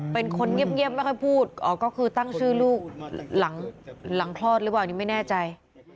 เป็นคนเงียบไม่ค่อยพูดก็คือตั้งชื่อลูกหลังคลอดหรือเปล่านี่ไม่แน่ใจ